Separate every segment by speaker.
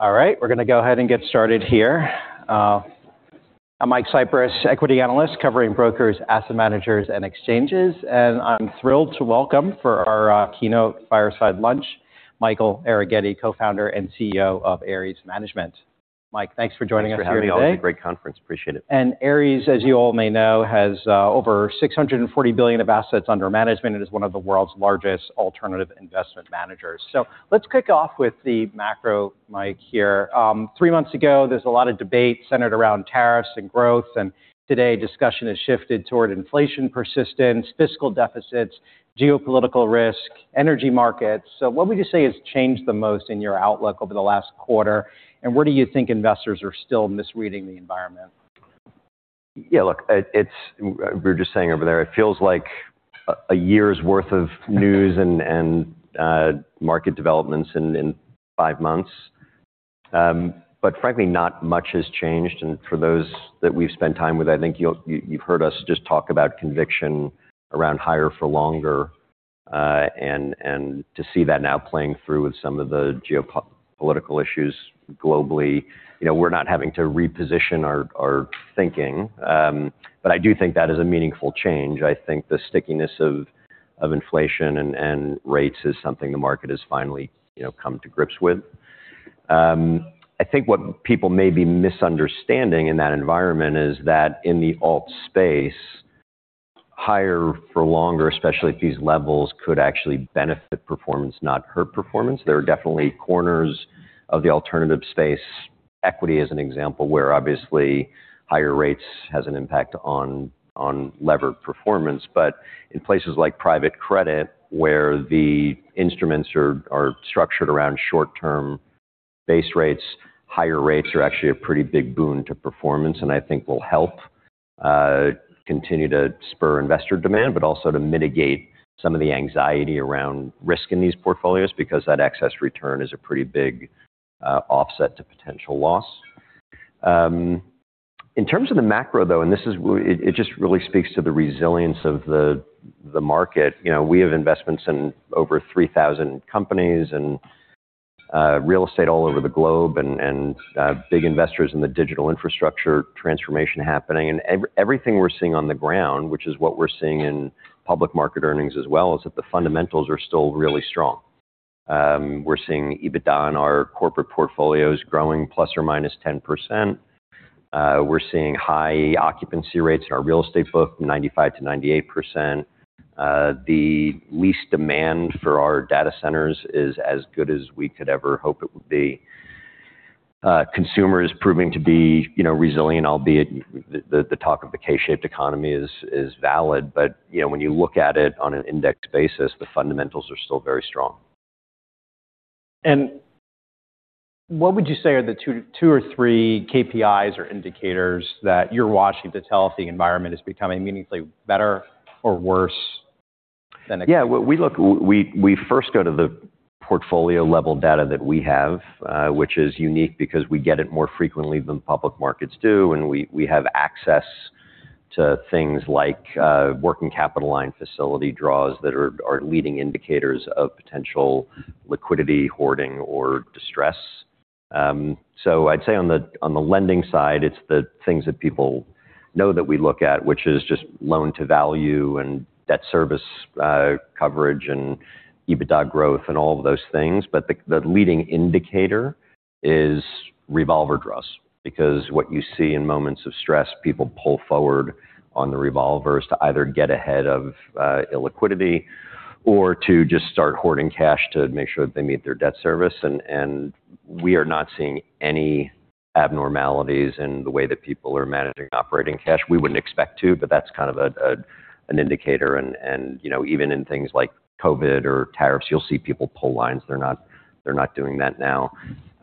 Speaker 1: All right. We're going to go ahead and get started here. I'm Mike Cyprys, Equity Analyst covering brokers, asset managers, and exchanges. I'm thrilled to welcome for our keynote fireside lunch, Michael Arougheti, Co-Founder and CEO of Ares Management. Mike, thanks for joining us here today.
Speaker 2: Thanks for having me on. It's a great conference. Appreciate it.
Speaker 1: Ares, as you all may know, has over $640 billion of assets under management. It is one of the world's largest alternative investment managers. Let's kick off with the macro, Mike, here. Three months ago, there was a lot of debate centered around tariffs and growth, today discussion has shifted toward inflation persistence, fiscal deficits, geopolitical risk, energy markets. What would you say has changed the most in your outlook over the last quarter, and where do you think investors are still misreading the environment?
Speaker 2: Yeah, look, we were just saying over there, it feels like a year's worth of news and market developments in five months. Frankly, not much has changed. For those that we've spent time with, I think you've heard us just talk about conviction around higher for longer, and to see that now playing through with some of the geopolitical issues globally. We're not having to reposition our thinking. I do think that is a meaningful change. I think the stickiness of inflation and rates is something the market has finally come to grips with. I think what people may be misunderstanding in that environment is that in the alt space, higher for longer, especially at these levels, could actually benefit performance, not hurt performance. There are definitely corners of the alternative space, equity as an example, where obviously higher rates has an impact on levered performance. In places like private credit, where the instruments are structured around short-term base rates, higher rates are actually a pretty big boon to performance and I think will help, continue to spur investor demand, but also to mitigate some of the anxiety around risk in these portfolios because that excess return is a pretty big offset to potential loss. In terms of the macro, though, it just really speaks to the resilience of the market. We have investments in over 3,000 companies and real estate all over the globe and big investors in the digital infrastructure transformation happening. Everything we're seeing on the ground, which is what we're seeing in public market earnings as well, is that the fundamentals are still really strong. We're seeing EBITDA in our corporate portfolios growing ±10%. We're seeing high occupancy rates in our real estate book from 95%-98%. The lease demand for our data centers is as good as we could ever hope it would be. Consumer is proving to be resilient, albeit the talk of the K-shaped economy is valid. When you look at it on an index basis, the fundamentals are still very strong.
Speaker 1: What would you say are the two or three KPIs or indicators that you're watching to tell if the environment is becoming meaningfully better or worse than expected?
Speaker 2: Yeah. We first go to the portfolio-level data that we have, which is unique because we get it more frequently than public markets do, and we have access to things like working capital line facility draws that are leading indicators of potential liquidity hoarding or distress. I'd say on the lending side, it's the things that people know that we look at, which is just loan-to-value and debt service coverage and EBITDA growth and all of those things. The leading indicator is revolver draws, because what you see in moments of stress, people pull forward on the revolvers to either get ahead of illiquidity or to just start hoarding cash to make sure that they meet their debt service. We are not seeing any abnormalities in the way that people are managing operating cash. We wouldn't expect to, but that's kind of an indicator. Even in things like COVID or tariffs, you'll see people pull lines. They're not doing that now.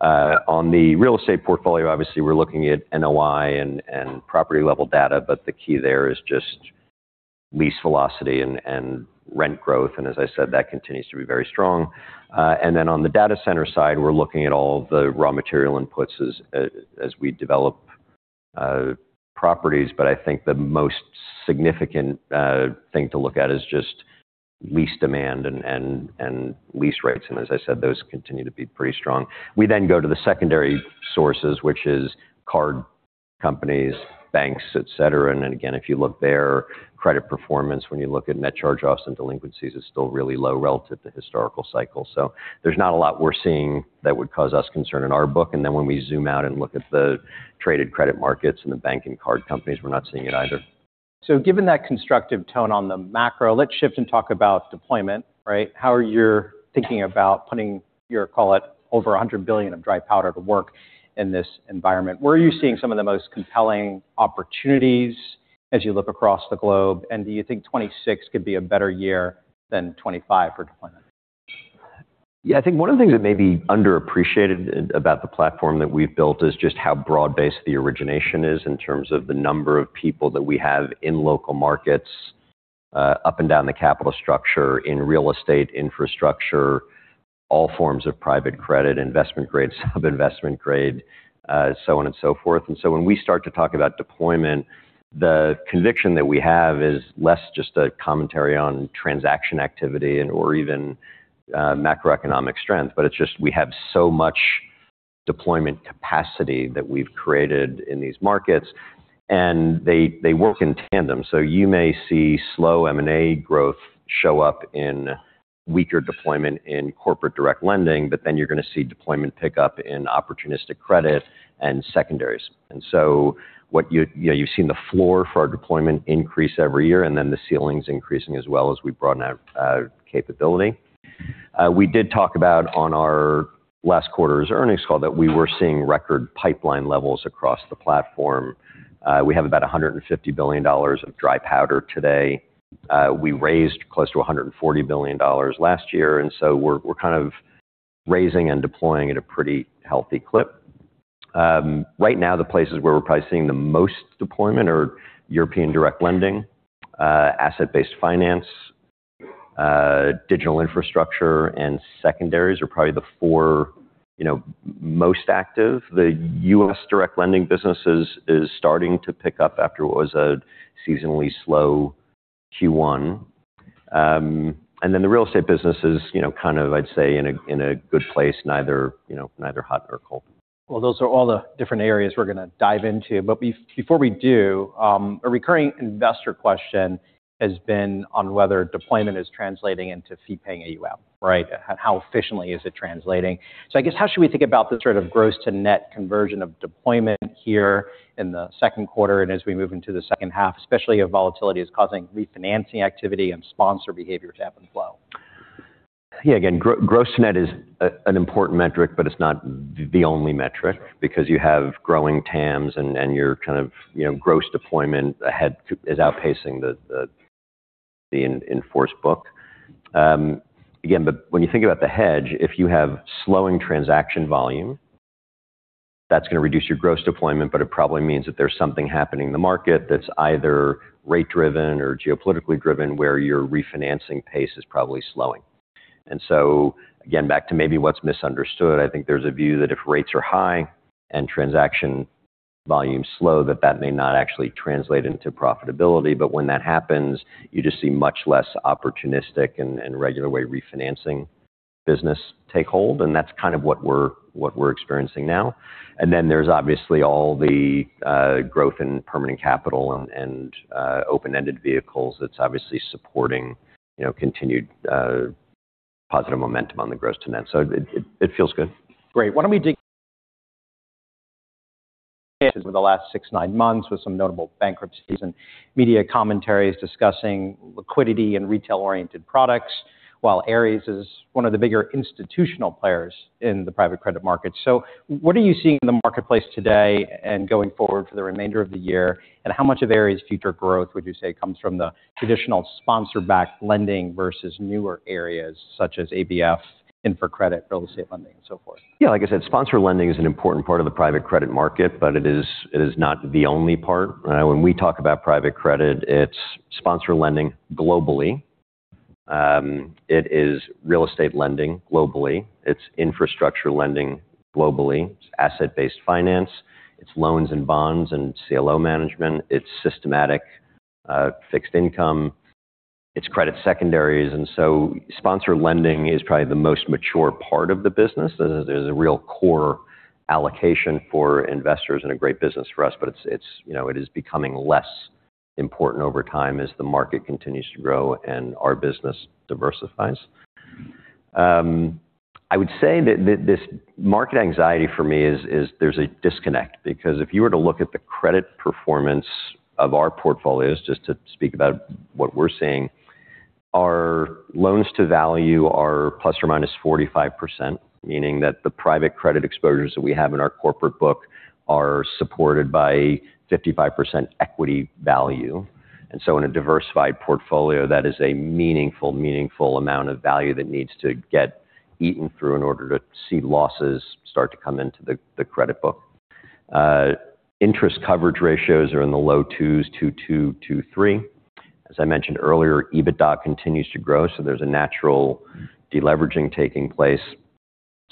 Speaker 2: On the real estate portfolio, obviously, we're looking at NOI and property-level data, but the key there is just lease velocity and rent growth, and as I said, that continues to be very strong. Then on the data center side, we're looking at all of the raw material inputs as we develop properties, but I think the most significant thing to look at is just lease demand and lease rates, and as I said, those continue to be pretty strong. We then go to the secondary sources, which is card companies, banks, et cetera. Again, if you look there, credit performance, when you look at net charge-offs and delinquencies, is still really low relative to historical cycles. There's not a lot we're seeing that would cause us concern in our book, and then when we zoom out and look at the traded credit markets and the bank and card companies, we're not seeing it either.
Speaker 1: Given that constructive tone on the macro, let's shift and talk about deployment, right? How are you thinking about putting your, call it, over $100 billion of dry powder to work in this environment? Where are you seeing some of the most compelling opportunities as you look across the globe, and do you think 2026 could be a better year than 2025 for deployment?
Speaker 2: Yeah, I think one of the things that may be underappreciated about the platform that we've built is just how broad-based the origination is in terms of the number of people that we have in local markets, up and down the capital structure in real estate infrastructure, all forms of private credit, investment grade, sub-investment grade, so on and so forth. When we start to talk about deployment. The conviction that we have is less just a commentary on transaction activity and/or even macroeconomic strength, but it's just we have so much deployment capacity that we've created in these markets, and they work in tandem. You may see slow M&A growth show up in weaker deployment in corporate direct lending, but then you're going to see deployment pick up in opportunistic credit and secondaries. You've seen the floor for our deployment increase every year, the ceiling's increasing as well as we broaden out capability. We did talk about on our last quarter's earnings call that we were seeing record pipeline levels across the platform. We have about $150 billion of dry powder today. We raised close to $140 billion last year, we're kind of raising and deploying at a pretty healthy clip. Right now, the places where we're probably seeing the most deployment are European direct lending, Asset-Based Finance, digital infrastructure, and secondaries are probably the four most active. The U.S. direct lending businesses is starting to pick up after what was a seasonally slow Q1. The real estate business is kind of, I'd say, in a good place, neither hot or cold.
Speaker 1: Well, those are all the different areas we're going to dive into. Before we do, a recurring investor question has been on whether deployment is translating into fee-paying AUM, right? How efficiently is it translating? I guess how should we think about the sort of gross to net conversion of deployment here in the second quarter and as we move into the second half, especially if volatility is causing refinancing activity and sponsor behavior to ebb and flow?
Speaker 2: Yeah. Again, gross net is an important metric, but it's not the only metric because you have growing TAMs, and your kind of gross deployment ahead is outpacing the in-force book. Again, but when you think about the hedge, if you have slowing transaction volume, that's going to reduce your gross deployment, but it probably means that there's something happening in the market that's either rate-driven or geopolitically driven, where your refinancing pace is probably slowing. Again, back to maybe what's misunderstood, I think there's a view that if rates are high and transaction volume slow, that that may not actually translate into profitability. When that happens, you just see much less opportunistic and regular way refinancing business take hold, and that's kind of what we're experiencing now. There's obviously all the growth in permanent capital and open-ended vehicles that's obviously supporting continued positive momentum on the gross to net. It feels good.
Speaker 1: Great. Why don't we over the last six to nine months with some notable bankruptcies and media commentaries discussing liquidity and retail-oriented products, while Ares is one of the bigger institutional players in the private credit market. What are you seeing in the marketplace today and going forward for the remainder of the year, and how much of Ares' future growth would you say comes from the traditional sponsor-backed lending versus newer areas such as ABF, infra credit, real estate lending and so forth?
Speaker 2: Yeah, like I said, sponsor lending is an important part of the private credit market, it is not the only part. When we talk about private credit, it's sponsor lending globally. It is real estate lending globally. It's infrastructure lending globally. It's asset-based finance. It's loans and bonds and CLO management. It's systematic fixed income. It's credit secondaries. Sponsor lending is probably the most mature part of the business. There's a real core allocation for investors and a great business for us, but it is becoming less important over time as the market continues to grow and our business diversifies. I would say that this market anxiety for me is there's a disconnect because if you were to look at the credit performance of our portfolios, just to speak about what we're seeing, our loans to value are ±45%, meaning that the private credit exposures that we have in our corporate book are supported by 55% equity value. In a diversified portfolio, that is a meaningful amount of value that needs to get eaten through in order to see losses start to come into the credit book. Interest coverage ratios are in the low twos, 2.2, 2.3. As I mentioned earlier, EBITDA continues to grow, there's a natural deleveraging taking place.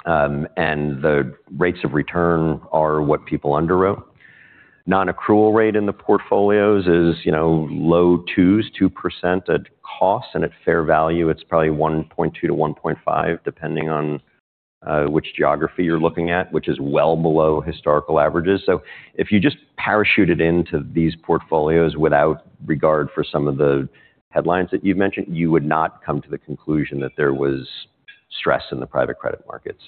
Speaker 2: The rates of return are what people underwrote. Non-accrual rate in the portfolios is low twos, 2% at cost, and at fair value, it's probably 1.2-1.5, depending on which geography you're looking at, which is well below historical averages. If you just parachuted into these portfolios without regard for some of the headlines that you've mentioned, you would not come to the conclusion that there was stress in the private credit markets.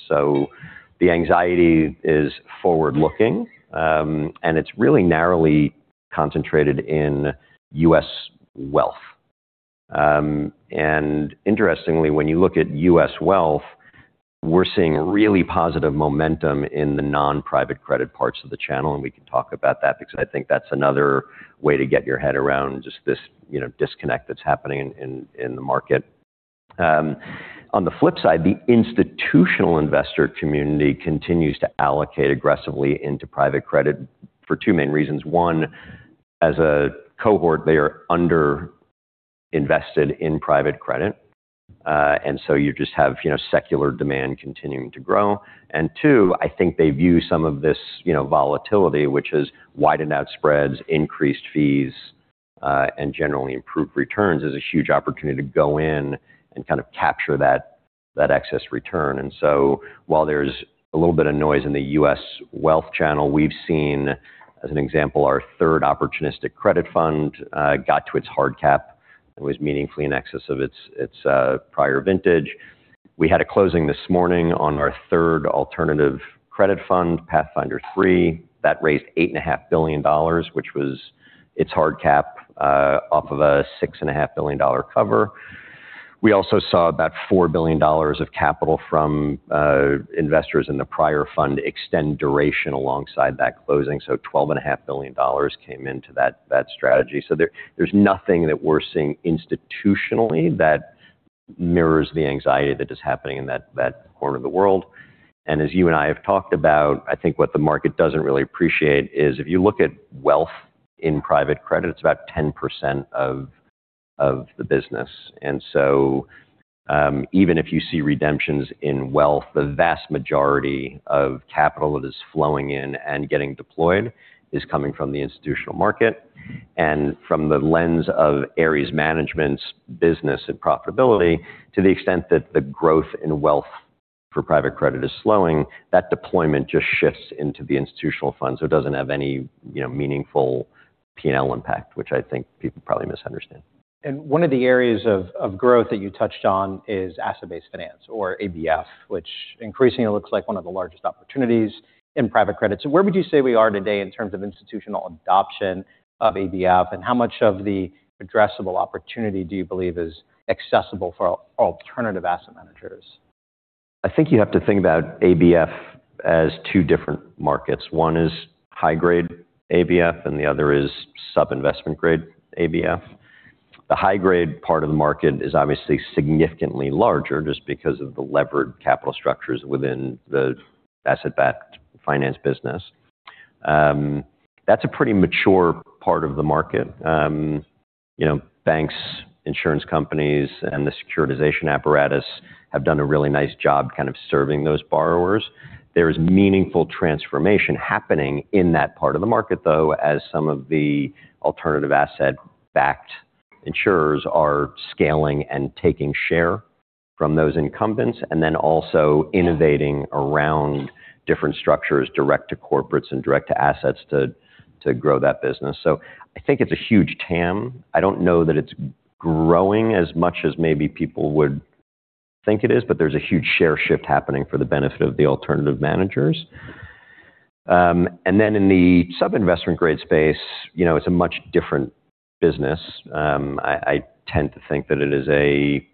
Speaker 2: The anxiety is forward-looking, and it's really narrowly concentrated in U.S. wealth. Interestingly, when you look at U.S. wealth, we're seeing really positive momentum in the non-private credit parts of the channel, and we can talk about that because I think that's another way to get your head around just this disconnect that's happening in the market. On the flip side, the institutional investor community continues to allocate aggressively into private credit for two main reasons. One, as a cohort, they are underinvested in private credit. You just have secular demand continuing to grow. I think they view some of this volatility, which is widened out spreads, increased fees, and generally improved returns, as a huge opportunity to go in and kind of capture that excess return. While there's a little bit of noise in the U.S. wealth channel, we've seen, as an example, our third opportunistic credit fund got to its hard cap and was meaningfully in excess of its prior vintage. We had a closing this morning on our third alternative credit fund, Ares Pathfinder Fund III, that raised $8.5 billion, which was its hard cap off of a $6.5 billion cover. We also saw about $4 billion of capital from investors in the prior fund extend duration alongside that closing, so $12.5 billion came into that strategy. There's nothing that we're seeing institutionally that mirrors the anxiety that is happening in that corner of the world. As you and I have talked about, I think what the market doesn't really appreciate is if you look at wealth in private credit, it's about 10% of the business. Even if you see redemptions in wealth, the vast majority of capital that is flowing in and getting deployed is coming from the institutional market. From the lens of Ares Management's business and profitability, to the extent that the growth in wealth for private credit is slowing, that deployment just shifts into the institutional fund, so it doesn't have any meaningful P&L impact, which I think people probably misunderstand.
Speaker 1: One of the areas of growth that you touched on is asset-based finance, or ABF, which increasingly looks like one of the largest opportunities in private credit. Where would you say we are today in terms of institutional adoption of ABF, and how much of the addressable opportunity do you believe is accessible for alternative asset managers?
Speaker 2: I think you have to think about ABF as two different markets. One is high-grade ABF and the other is sub-IG ABF. The high-grade part of the market is obviously significantly larger just because of the levered capital structures within the asset-backed finance business. That's a pretty mature part of the market. Banks, insurance companies, and the securitization apparatus have done a really nice job kind of serving those borrowers. There is meaningful transformation happening in that part of the market, though, as some of the alternative asset-backed insurers are scaling and taking share from those incumbents, and then also innovating around different structures direct to corporates and direct to assets to grow that business. I think it's a huge TAM. I don't know that it's growing as much as maybe people would think it is, there's a huge share shift happening for the benefit of the alternative managers. In the sub-investment-grade space, it's a much different business. I tend to think that it is a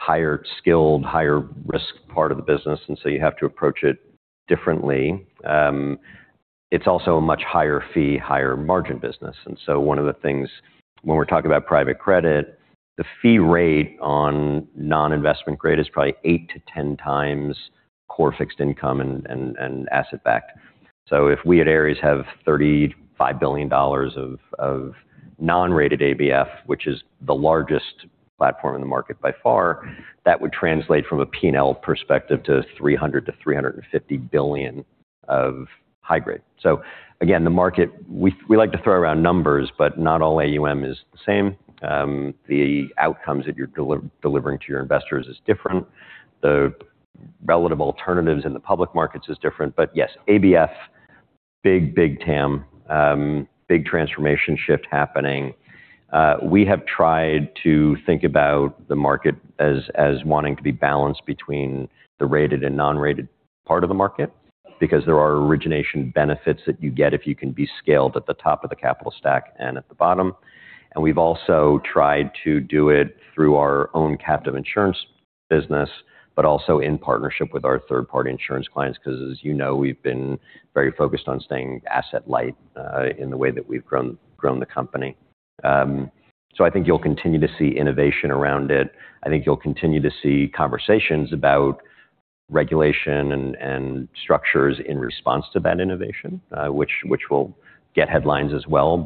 Speaker 2: higher-skilled, higher-risk part of the business, you have to approach it differently. It's also a much higher-fee, higher-margin business. One of the things when we're talking about private credit, the fee rate on non-investment grade is probably 8x-10x core fixed income and asset backed. If we at Ares have $35 billion of non-rated ABF, which is the largest platform in the market by far, that would translate from a P&L perspective to $300 billion-$350 billion of high grade. Again, the market, we like to throw around numbers, not all AUM is the same. The outcomes that you're delivering to your investors is different. The relative alternatives in the public markets is different. Yes, ABF, big TAM, big transformation shift happening. We have tried to think about the market as wanting to be balanced between the rated and non-rated part of the market because there are origination benefits that you get if you can be scaled at the top of the capital stack and at the bottom. We've also tried to do it through our own captive insurance business, also in partnership with our third-party insurance clients, because as you know, we've been very focused on staying asset light in the way that we've grown the company. I think you'll continue to see innovation around it. I think you'll continue to see conversations about regulation and structures in response to that innovation, which will get headlines as well.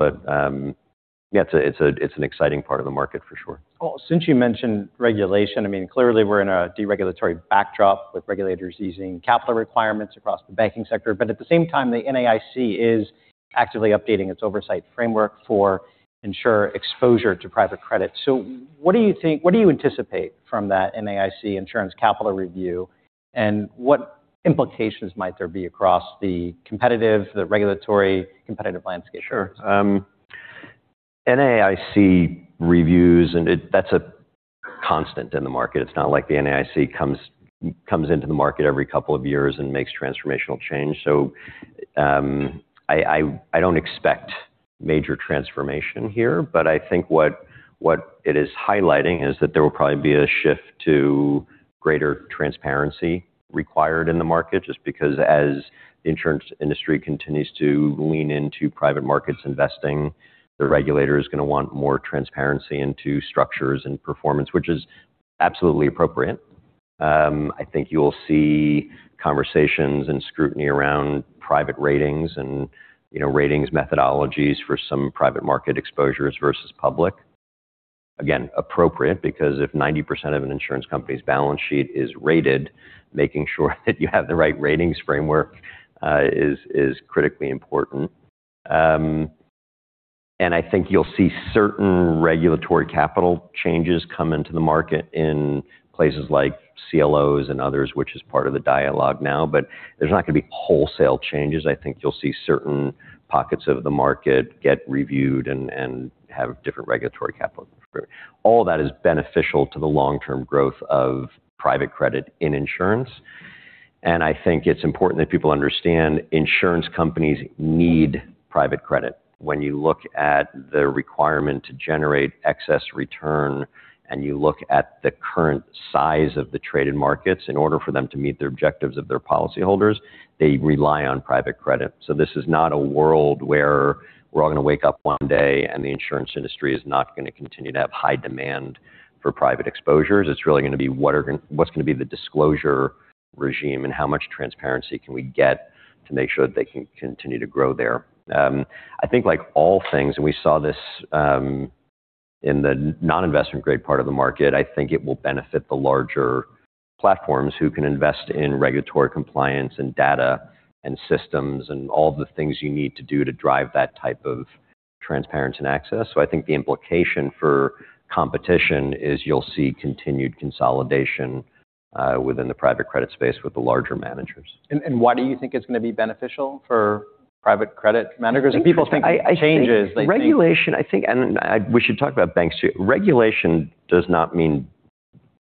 Speaker 2: Yeah, it's an exciting part of the market for sure.
Speaker 1: Well, since you mentioned regulation, clearly we're in a deregulatory backdrop with regulators easing capital requirements across the banking sector. At the same time, the NAIC is actively updating its oversight framework for insurer exposure to private credit. What do you anticipate from that NAIC insurance capital review, and what implications might there be across the regulatory competitive landscape?
Speaker 2: Sure. NAIC reviews, that's a constant in the market. It's not like the NAIC comes into the market every couple of years and makes transformational change. I don't expect major transformation here, but I think what it is highlighting is that there will probably be a shift to greater transparency required in the market, just because as the insurance industry continues to lean into private markets investing, the regulator is going to want more transparency into structures and performance, which is absolutely appropriate. I think you'll see conversations and scrutiny around private ratings and ratings methodologies for some private market exposures versus public. Again, appropriate, because if 90% of an insurance company's balance sheet is rated, making sure that you have the right ratings framework is critically important. I think you'll see certain regulatory capital changes come into the market in places like CLOs and others, which is part of the dialogue now, there's not going to be wholesale changes. I think you'll see certain pockets of the market get reviewed and have different regulatory capital. All that is beneficial to the long-term growth of private credit in insurance. I think it's important that people understand insurance companies need private credit. When you look at the requirement to generate excess return, and you look at the current size of the traded markets, in order for them to meet the objectives of their policyholders, they rely on private credit. This is not a world where we're all going to wake up one day and the insurance industry is not going to continue to have high demand for private exposures. It's really going to be what's going to be the disclosure regime and how much transparency can we get to make sure that they can continue to grow there? I think like all things, we saw this in the non-investment-grade part of the market, I think it will benefit the larger platforms who can invest in regulatory compliance and data and systems and all the things you need to do to drive that type of transparency and access. I think the implication for competition is you'll see continued consolidation within the private credit space with the larger managers.
Speaker 1: Why do you think it's going to be beneficial for private credit managers? Because people think changes.
Speaker 2: Regulation, I think, we should talk about banks too. Regulation does not mean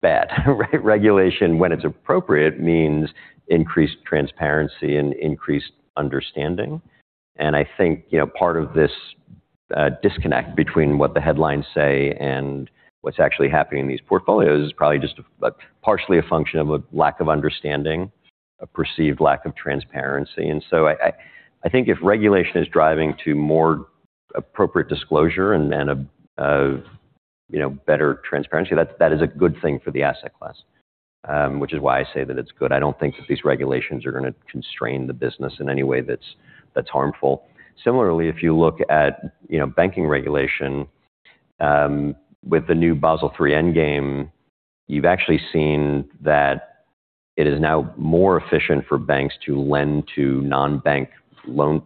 Speaker 2: bad, right? Regulation, when it's appropriate, means increased transparency and increased understanding. I think part of this disconnect between what the headlines say and what's actually happening in these portfolios is probably just partially a function of a lack of understanding, a perceived lack of transparency. I think if regulation is driving to more appropriate disclosure and a better transparency, that is a good thing for the asset class, which is why I say that it's good. I don't think that these regulations are going to constrain the business in any way that's harmful. Similarly, if you look at banking regulation, with the new Basel III endgame, you've actually seen that it is now more efficient for banks to lend to non-bank loan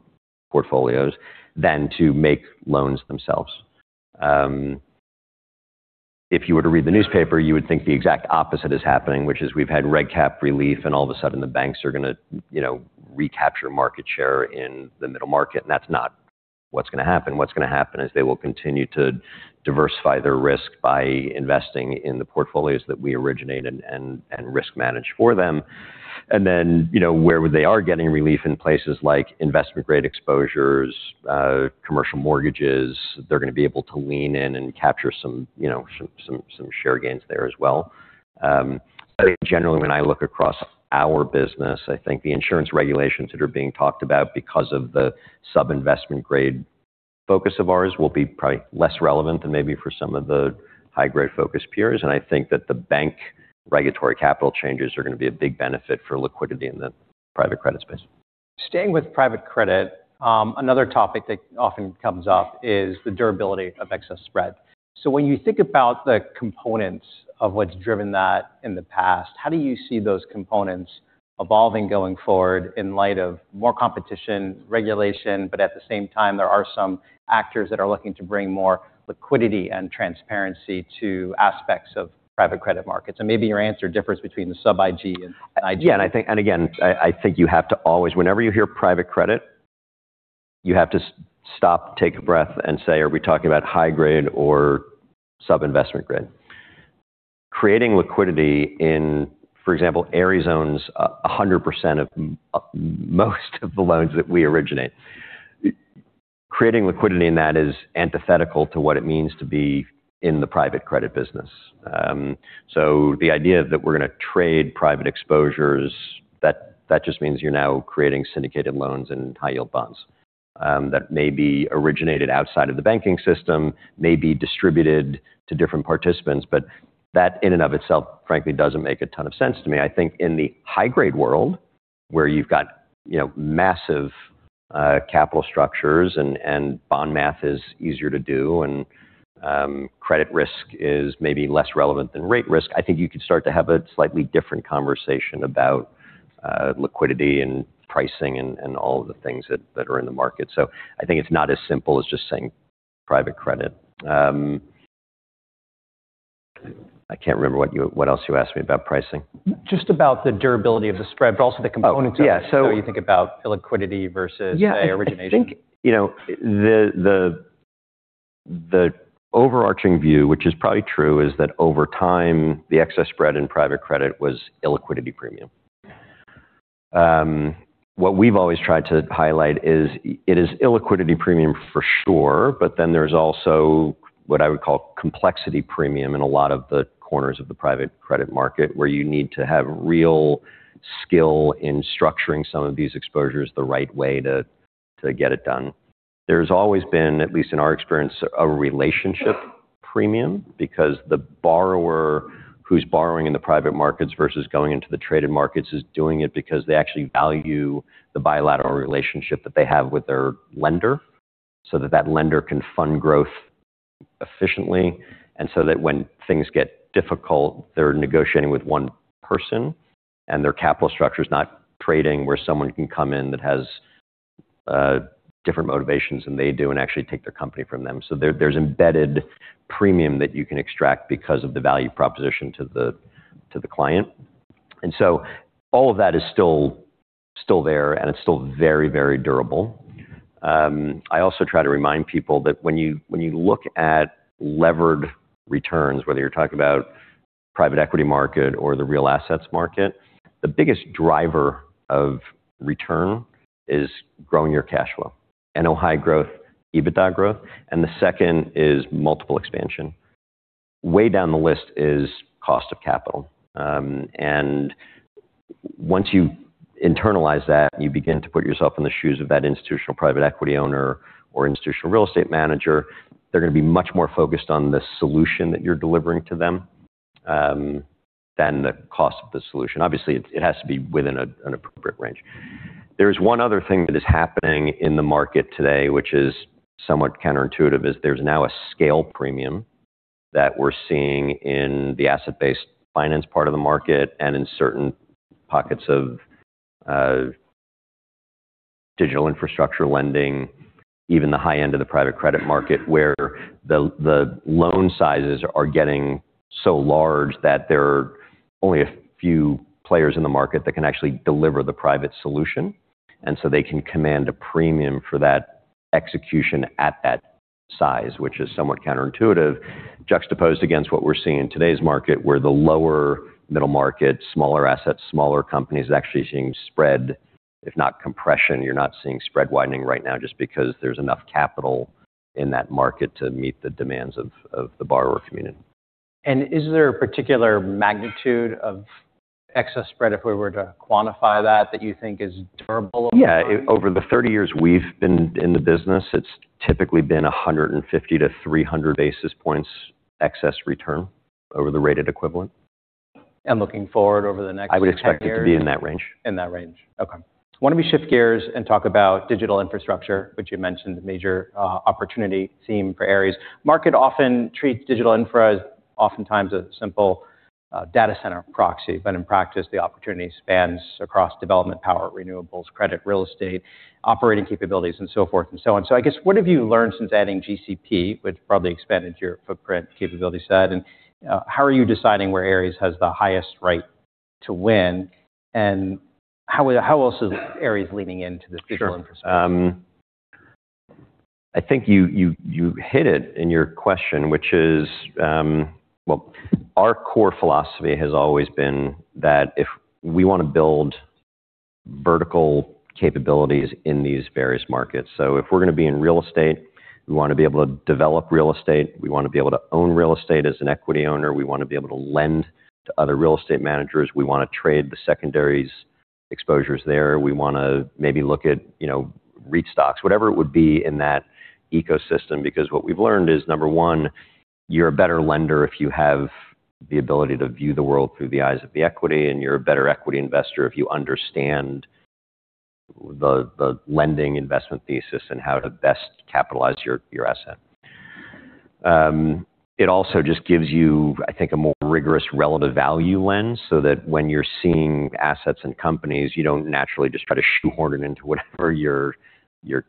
Speaker 2: portfolios than to make loans themselves. If you were to read the newspaper, you would think the exact opposite is happening, which is we've had reg cap relief and all of a sudden the banks are going to recapture market share in the middle market. That's not what's going to happen. What's going to happen is they will continue to diversify their risk by investing in the portfolios that we originate and risk manage for them. Then where they are getting relief in places like investment-grade exposures, commercial mortgages, they're going to be able to lean in and capture some share gains there as well. I think generally when I look across our business, I think the insurance regulations that are being talked about because of the sub-investment-grade focus of ours will be probably less relevant than maybe for some of the high-grade-focused peers. I think that the bank regulatory capital changes are going to be a big benefit for liquidity in the private credit space.
Speaker 1: Staying with private credit, another topic that often comes up is the durability of excess spread. When you think about the components of what's driven that in the past, how do you see those components evolving going forward in light of more competition, regulation, but at the same time, there are some actors that are looking to bring more liquidity and transparency to aspects of private credit markets? Maybe your answer differs between the sub-IG and IG.
Speaker 2: Yeah, again, I think you have to always, whenever you hear private credit, you have to stop, take a breath, and say, are we talking about high-grade or sub-investment-grade? Creating liquidity in, for example, Ares owns 100% of most of the loans that we originate. Creating liquidity in that is antithetical to what it means to be in the private credit business. The idea that we're going to trade private exposures, that just means you're now creating syndicated loans and high-yield bonds that may be originated outside of the banking system, may be distributed to different participants, but that in and of itself, frankly, doesn't make a ton of sense to me. I think in the high-grade world, where you've got massive capital structures and bond math is easier to do, and credit risk is maybe less relevant than rate risk, I think you could start to have a slightly different conversation about liquidity and pricing and all of the things that are in the market. I think it's not as simple as just saying private credit. I can't remember what else you asked me about pricing.
Speaker 1: Just about the durability of the spread, but also the components of it.
Speaker 2: Yeah.
Speaker 1: How you think about illiquidity versus, say, origination.
Speaker 2: I think the overarching view, which is probably true, is that over time, the excess spread in private credit was illiquidity premium. What we've always tried to highlight is it is illiquidity premium for sure, there's also what I would call complexity premium in a lot of the corners of the private credit market, where you need to have real skill in structuring some of these exposures the right way to get it done. There's always been, at least in our experience, a relationship premium because the borrower who's borrowing in the private markets versus going into the traded markets is doing it because they actually value the bilateral relationship that they have with their lender, so that lender can fund growth efficiently. That when things get difficult, they're negotiating with one person, and their capital structure's not trading where someone can come in that has different motivations than they do and actually take their company from them. There's embedded premium that you can extract because of the value proposition to the client. All of that is still there and it's still very, very durable. I also try to remind people that when you look at levered returns, whether you're talking about private equity market or the real assets market, the biggest driver of return is growing your cashflow. And/or high growth, EBITDA growth, and the second is multiple expansion. Way down the list is cost of capital. Once you internalize that and you begin to put yourself in the shoes of that institutional private equity owner or institutional real estate manager, they're going to be much more focused on the solution that you're delivering to them, than the cost of the solution. Obviously, it has to be within an appropriate range. There's one other thing that is happening in the market today, which is somewhat counterintuitive, is there's now a scale premium that we're seeing in the asset-based finance part of the market and in certain pockets of digital infrastructure lending, even the high end of the private credit market, where the loan sizes are getting so large that there are only a few players in the market that can actually deliver the private solution. They can command a premium for that execution at that size, which is somewhat counterintuitive, juxtaposed against what we're seeing in today's market, where the lower middle market, smaller assets, smaller companies actually seeing spread, if not compression. You're not seeing spread widening right now just because there's enough capital in that market to meet the demands of the borrower community.
Speaker 1: Is there a particular magnitude of excess spread if we were to quantify that you think is durable over time?
Speaker 2: Yeah. Over the 30 years we've been in the business, it's typically been 150-300 basis points excess return over the rated equivalent.
Speaker 1: Looking forward over the next 10 years.
Speaker 2: I would expect it to be in that range.
Speaker 1: In that range. Okay. Why don't we shift gears and talk about digital infrastructure, which you mentioned a major opportunity theme for Ares. Market often treats digital infra as oftentimes a simple data center proxy, but in practice, the opportunity spans across development power, renewables, credit, real estate, operating capabilities, and so forth and so on. I guess what have you learned since adding GCP, which probably expanded your footprint capability set, and how are you deciding where Ares has the highest right to win? How else is Ares leaning into this digital infrastructure?
Speaker 2: I think you hit it in your question, which is, well, our core philosophy has always been that if we want to build vertical capabilities in these various markets, if we're going to be in real estate, we want to be able to develop real estate, we want to be able to own real estate as an equity owner, we want to be able to lend to other real estate managers. We want to trade the secondaries exposures there. We want to maybe look at REIT stocks, whatever it would be in that ecosystem. What we've learned is, number one, you're a better lender if you have the ability to view the world through the eyes of the equity, and you're a better equity investor if you understand the lending investment thesis and how to best capitalize your asset. It also just gives you, I think, a more rigorous relative value lens so that when you're seeing assets and companies, you don't naturally just try to shoehorn it into whatever your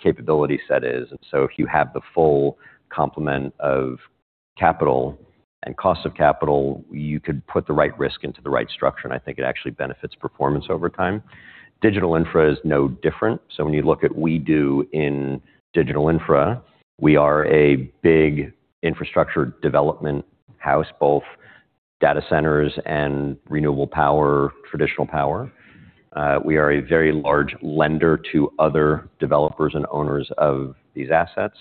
Speaker 2: capability set is. If you have the full complement of capital and cost of capital, you could put the right risk into the right structure, and I think it actually benefits performance over time. Digital infra is no different. When you look at what we do in digital infra, we are a big infrastructure development house, both data centers and renewable power, traditional power. We are a very large lender to other developers and owners of these assets.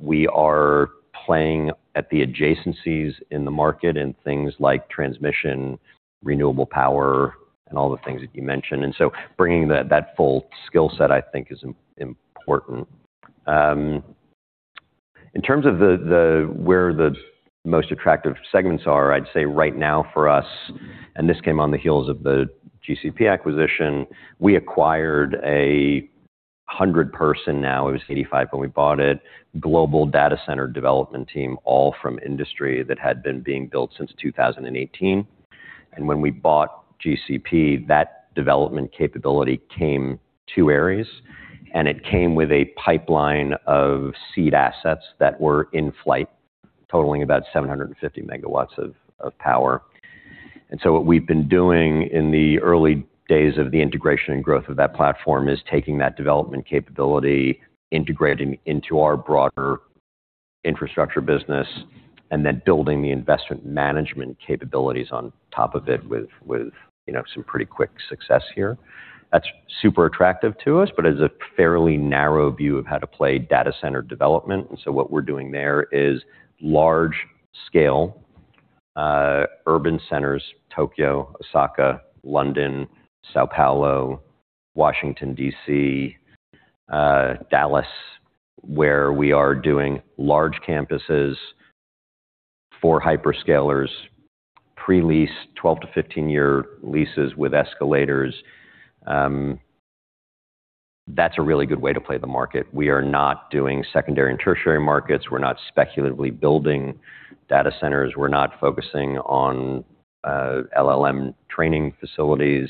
Speaker 2: We are playing at the adjacencies in the market in things like transmission, renewable power, and all the things that you mentioned. Bringing that full skill set, I think is important. In terms of where the most attractive segments are, I'd say right now for us, and this came on the heels of the GCP acquisition, we acquired 100 person now, it was 85 when we bought it, global data center development team, all from industry that had been being built since 2018. When we bought GCP, that development capability came to Ares, and it came with a pipeline of seed assets that were in flight totaling about 750 MW of power. What we've been doing in the early days of the integration and growth of that platform is taking that development capability, integrating into our broader infrastructure business, and then building the investment management capabilities on top of it with some pretty quick success here. That's super attractive to us, but is a fairly narrow view of how to play data center development. What we're doing there is large-scale urban centers, Tokyo, Osaka, London, São Paulo, Washington, D.C., Dallas, where we are doing large campuses for hyperscalers, pre-lease 12-15-year leases with escalators. That's a really good way to play the market. We are not doing secondary and tertiary markets. We're not speculatively building data centers. We're not focusing on LLM training facilities.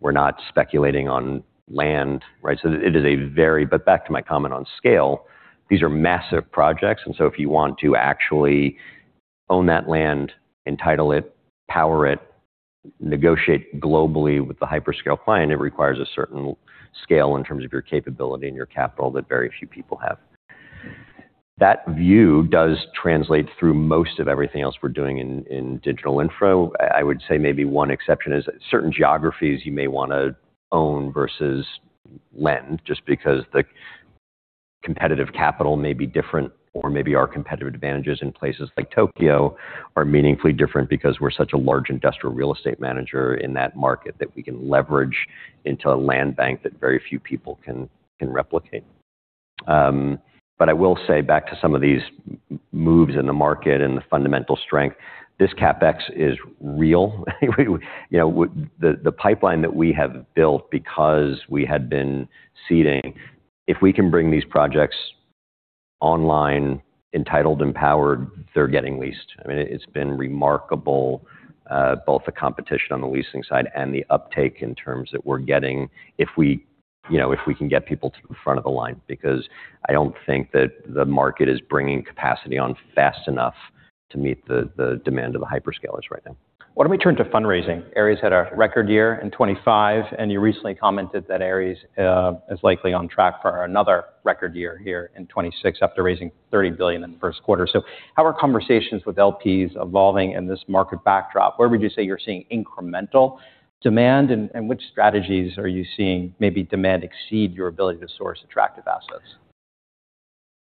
Speaker 2: We're not speculating on land, right? Back to my comment on scale, these are massive projects, if you want to actually own that land, entitle it, power it, negotiate globally with the hyperscale client, it requires a certain scale in terms of your capability and your capital that very few people have. That view does translate through most of everything else we're doing in digital infra. I would say maybe one exception is certain geographies you may want to own versus lend, just because the competitive capital may be different or maybe our competitive advantages in places like Tokyo are meaningfully different because we're such a large industrial real estate manager in that market that we can leverage into a land bank that very few people can replicate. I will say back to some of these moves in the market and the fundamental strength, this CapEx is real. The pipeline that we have built because we had been seeding, if we can bring these projects online, entitled and powered, they're getting leased. It's been remarkable, both the competition on the leasing side and the uptake in terms that we're getting, if we can get people to the front of the line, because I don't think that the market is bringing capacity on fast enough to meet the demand of the hyperscalers right now.
Speaker 1: Why don't we turn to fundraising? Ares had a record year in 2025, you recently commented that Ares is likely on track for another record year here in 2026 after raising $30 billion in the first quarter. How are conversations with LPs evolving in this market backdrop? Where would you say you're seeing incremental demand, and which strategies are you seeing maybe demand exceed your ability to source attractive assets?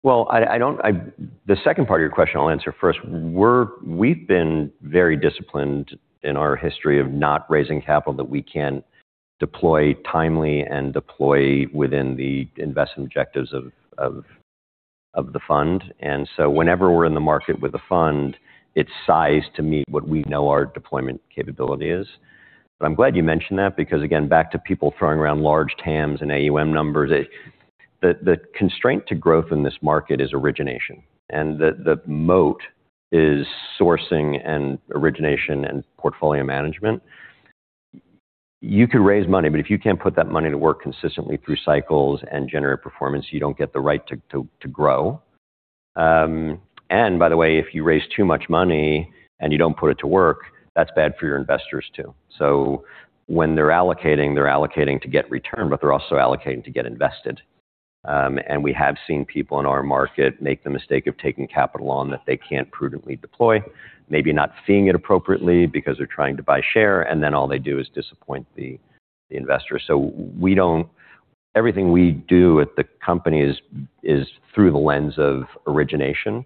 Speaker 2: The second part of your question I'll answer first. We've been very disciplined in our history of not raising capital that we can deploy timely and deploy within the investment objectives of the fund. Whenever we're in the market with a fund, it's sized to meet what we know our deployment capability is. I'm glad you mentioned that because, again, back to people throwing around large TAMs and AUM numbers, the constraint to growth in this market is origination, and the moat is sourcing and origination and portfolio management. You could raise money, but if you can't put that money to work consistently through cycles and generate performance, you don't get the right to grow. By the way, if you raise too much money and you don't put it to work, that's bad for your investors, too. When they're allocating, they're allocating to get return, but they're also allocating to get invested. We have seen people in our market make the mistake of taking capital on that they can't prudently deploy, maybe not seeing it appropriately because they're trying to buy share, and then all they do is disappoint the investor. Everything we do at the company is through the lens of origination,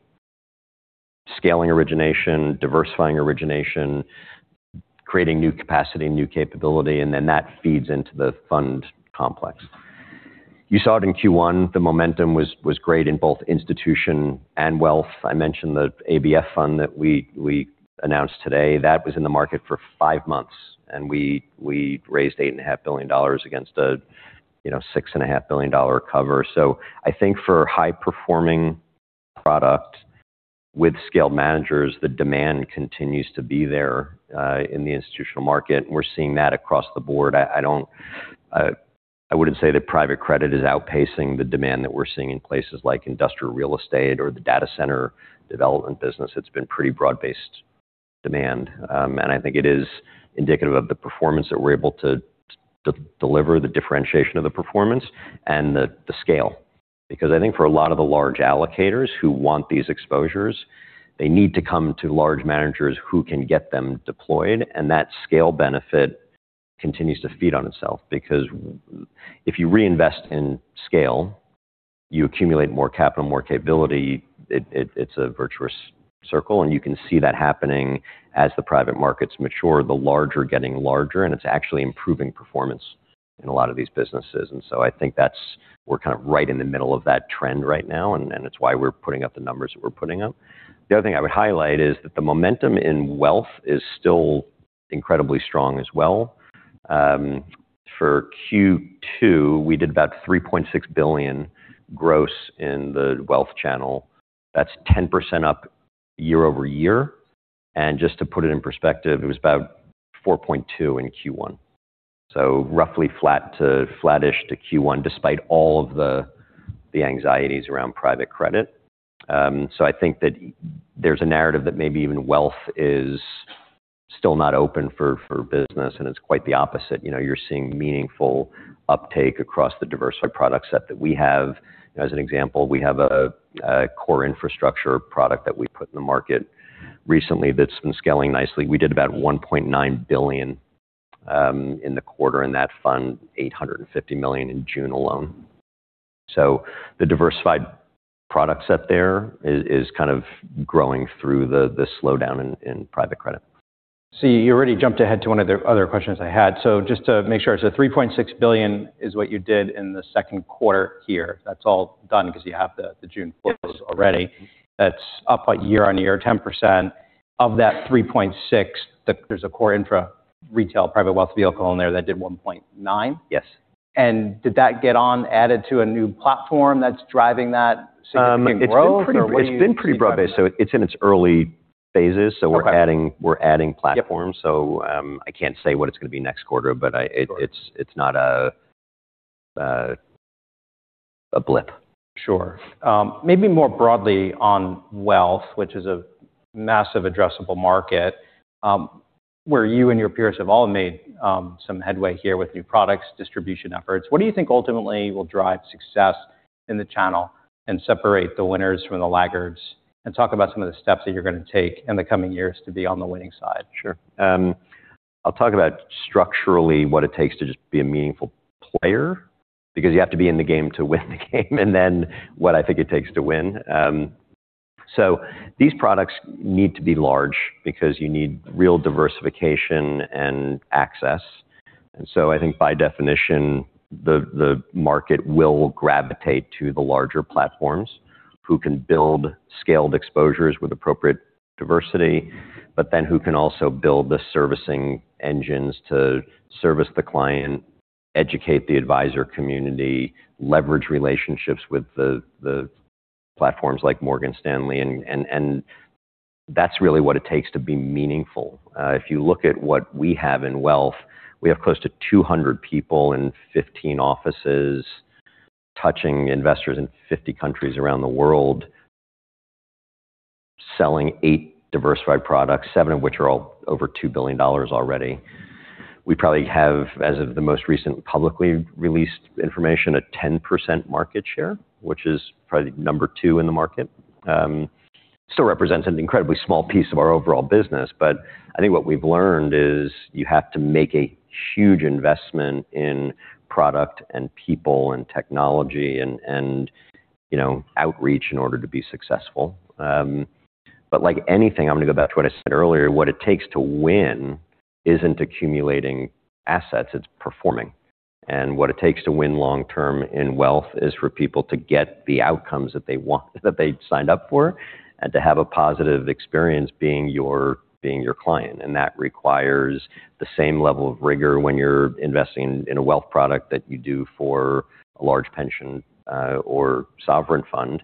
Speaker 2: scaling origination, diversifying origination, creating new capacity, new capability, and then that feeds into the fund complex. You saw it in Q1. The momentum was great in both institution and wealth. I mentioned the ABF fund that we announced today. That was in the market for five months, and we raised $8.5 billion against a $6.5 billion cover. I think for high-performing product with scale managers, the demand continues to be there in the institutional market, and we're seeing that across the board. I wouldn't say that private credit is outpacing the demand that we're seeing in places like industrial real estate or the data center development business. It's been pretty broad-based demand. I think it is indicative of the performance that we're able to deliver, the differentiation of the performance, and the scale. I think for a lot of the large allocators who want these exposures, they need to come to large managers who can get them deployed, and that scale benefit continues to feed on itself because if you reinvest in scale, you accumulate more capital, more capability. It's a virtuous circle, and you can see that happening as the private markets mature, the larger getting larger, and it's actually improving performance in a lot of these businesses. I think we're right in the middle of that trend right now, and it's why we're putting up the numbers that we're putting up. The other thing I would highlight is that the momentum in wealth is still incredibly strong as well. For Q2, we did about $3.6 billion gross in the wealth channel. That's 10% up year-over-year. Just to put it in perspective, it was about $4.2 billion in Q1. Roughly flat to flattish to Q1, despite all of the anxieties around private credit. I think that there's a narrative that maybe even wealth is still not open for business, and it's quite the opposite. You're seeing meaningful uptake across the diversified product set that we have. As an example, we have a core infrastructure product that we put in the market recently that's been scaling nicely. We did about $1.9 billion in the quarter in that fund, $850 million in June alone. The diversified product set there is kind of growing through the slowdown in private credit.
Speaker 1: You already jumped ahead to one of the other questions I had. Just to make sure, $3.6 billion is what you did in the second quarter here. That's all done because you have the June close already.
Speaker 2: Yes.
Speaker 1: That's up what? Year-over-year, 10%. Of that $3.6, there's a core infra retail private wealth vehicle in there that did $1.9?
Speaker 2: Yes.
Speaker 1: Did that get on added to a new platform that's driving that significant growth?
Speaker 2: It's been pretty broad based. It's in its early phases.
Speaker 1: Okay.
Speaker 2: We're adding platforms.
Speaker 1: Yep.
Speaker 2: I can't say what it's going to be next quarter.
Speaker 1: Sure
Speaker 2: it's not a blip.
Speaker 1: Sure. Maybe more broadly on wealth, which is a massive addressable market, where you and your peers have all made some headway here with new products, distribution efforts. What do you think ultimately will drive success in the channel and separate the winners from the laggards? Talk about some of the steps that you're going to take in the coming years to be on the winning side.
Speaker 2: Sure. I'll talk about structurally what it takes to just be a meaningful player, because you have to be in the game to win the game, what I think it takes to win. These products need to be large because you need real diversification and access. I think by definition, the market will gravitate to the larger platforms, who can build scaled exposures with appropriate diversity, who can also build the servicing engines to service the client, educate the advisor community, leverage relationships with the platforms like Morgan Stanley, that's really what it takes to be meaningful. If you look at what we have in wealth, we have close to 200 people in 15 offices touching investors in 50 countries around the world, selling eight diversified products, seven of which are all over $2 billion already. We probably have, as of the most recent publicly released information, a 10% market share, which is probably number two in the market. Still represents an incredibly small piece of our overall business. I think what we've learned is you have to make a huge investment in product and people and technology and outreach in order to be successful. Like anything, I'm going to go back to what I said earlier, what it takes to win isn't accumulating assets, it's performing. What it takes to win long term in wealth is for people to get the outcomes that they want, that they signed up for, to have a positive experience being your client. That requires the same level of rigor when you're investing in a wealth product that you do for a large pension or sovereign fund.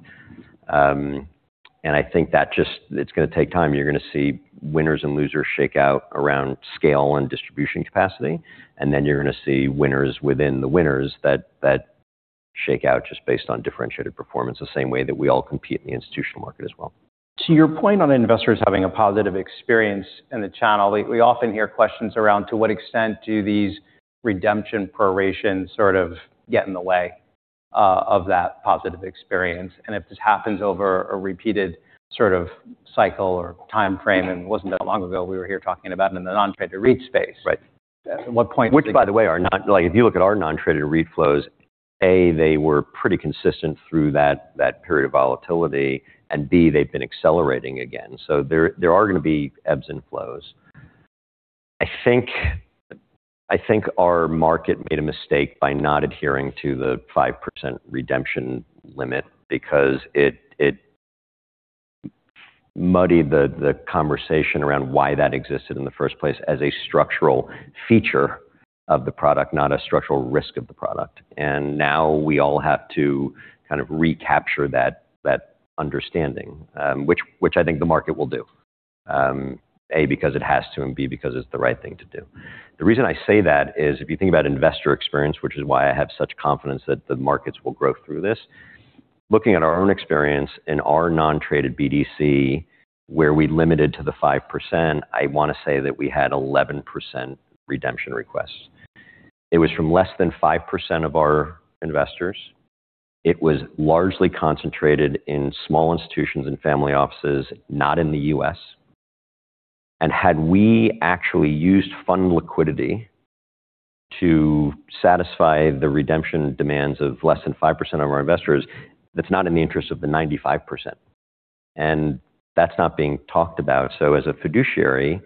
Speaker 2: I think that it's going to take time. You're going to see winners and losers shake out around scale and distribution capacity, you're going to see winners within the winners that shake out just based on differentiated performance, the same way that we all compete in the institutional market as well.
Speaker 1: To your point on investors having a positive experience in the channel, we often hear questions around to what extent do these redemption proration sort of get in the way of that positive experience, and if this happens over a repeated sort of cycle or timeframe. It wasn't that long ago we were here talking about it in the non-traded REIT space.
Speaker 2: Right.
Speaker 1: At what point-
Speaker 2: Which, by the way, if you look at our non-traded REIT flows, A, they were pretty consistent through that period of volatility, and B, they've been accelerating again. There are going to be ebbs and flows. I think our market made a mistake by not adhering to the 5% redemption limit because it muddied the conversation around why that existed in the first place as a structural feature of the product, not a structural risk of the product. Now we all have to kind of recapture that understanding, which I think the market will do. A, because it has to, and B, because it's the right thing to do. The reason I say that is if you think about investor experience, which is why I have such confidence that the markets will grow through this, looking at our own experience in our non-traded BDC where we limited to the 5%, I want to say that we had 11% redemption requests. It was from less than 5% of our investors. It was largely concentrated in small institutions and family offices, not in the U.S. Had we actually used fund liquidity to satisfy the redemption demands of less than 5% of our investors, that's not in the interest of the 95%. That's not being talked about. As a fiduciary,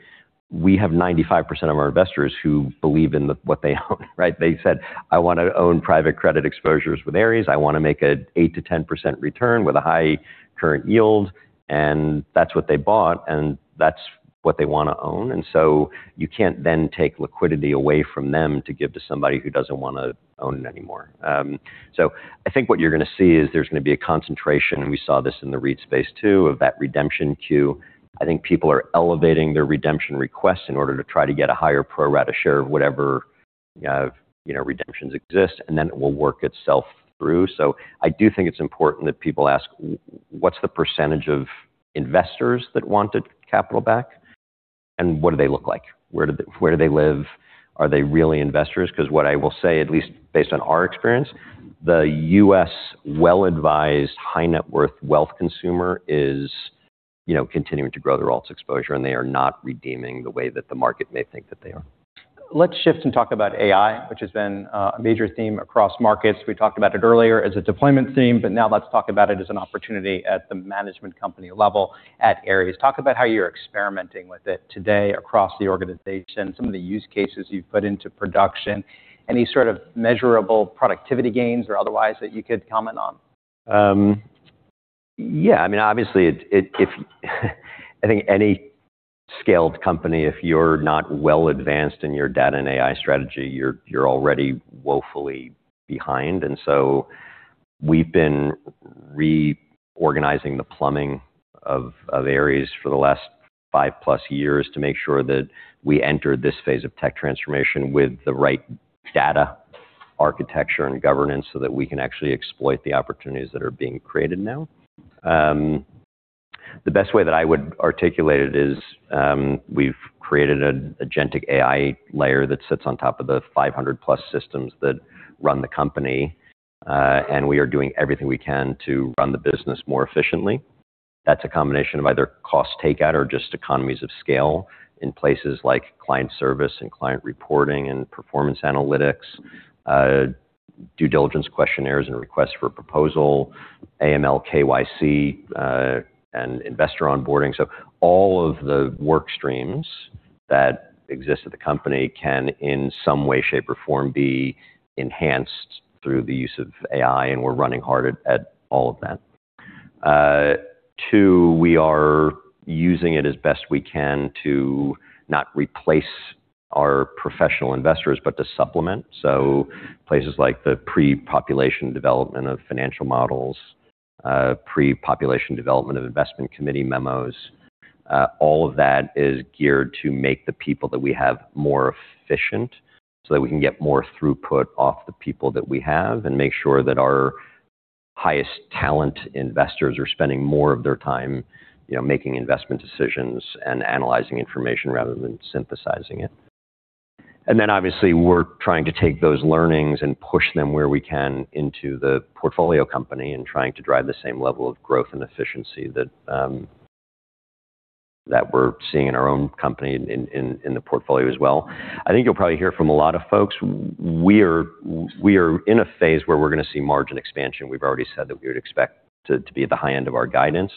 Speaker 2: we have 95% of our investors who believe in what they own, right? They said, "I want to own private credit exposures with Ares. I want to make an 8%-10% return with a high current yield." That's what they bought, and that's what they want to own. You can't then take liquidity away from them to give to somebody who doesn't want to own it anymore. I think what you're going to see is there's going to be a concentration, and we saw this in the REIT space too, of that redemption queue. I think people are elevating their redemption requests in order to try to get a higher pro rata share of whatever redemptions exist, and then it will work itself through. I do think it's important that people ask, what's the percentage of investors that wanted capital back, and what do they look like? Where do they live? Are they really investors? Because what I will say, at least based on our experience, the U.S. well-advised high net worth wealth consumer is continuing to grow their alts exposure, and they are not redeeming the way that the market may think that they are.
Speaker 1: Let's shift and talk about AI, which has been a major theme across markets. We talked about it earlier as a deployment theme, but now let's talk about it as an opportunity at the management company level at Ares. Talk about how you're experimenting with it today across the organization, some of the use cases you've put into production, any sort of measurable productivity gains or otherwise that you could comment on.
Speaker 2: Yeah. Obviously, I think any scaled company, if you're not well-advanced in your data and AI strategy, you're already woefully behind. We've been reorganizing the plumbing of Ares for the last 5+ years to make sure that we enter this phase of tech transformation with the right data architecture and governance so that we can actually exploit the opportunities that are being created now. The best way that I would articulate it is we've created an agentic AI layer that sits on top of the 500+ systems that run the company, and we are doing everything we can to run the business more efficiently. That's a combination of either cost takeout or just economies of scale in places like client service and client reporting and performance analytics, due diligence questionnaires and requests for proposal, AML, KYC, and investor onboarding. All of the work streams that exist at the company can, in some way, shape, or form, be enhanced through the use of AI, and we're running hard at all of that. Two, we are using it as best we can to not replace our professional investors, but to supplement. Places like the pre-population development of financial models, pre-population development of investment committee memos, all of that is geared to make the people that we have more efficient so that we can get more throughput off the people that we have and make sure that our highest talent investors are spending more of their time making investment decisions and analyzing information rather than synthesizing it. Obviously, we're trying to take those learnings and push them where we can into the portfolio company and trying to drive the same level of growth and efficiency that we're seeing in our own company in the portfolio as well. I think you'll probably hear from a lot of folks, we are in a phase where we're going to see margin expansion. We've already said that we would expect to be at the high end of our guidance.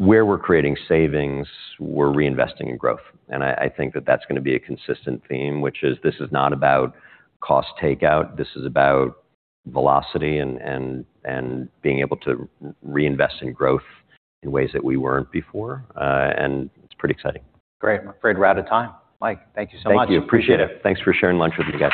Speaker 2: Where we're creating savings, we're reinvesting in growth, and I think that that's going to be a consistent theme, which is this is not about cost takeout, this is about velocity and being able to reinvest in growth in ways that we weren't before. It's pretty exciting.
Speaker 1: Great. I'm afraid we're out of time. Mike, thank you so much. Appreciate it.
Speaker 2: Thank you. Thanks for sharing lunch with me, guys.